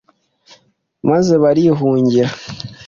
maze barihungira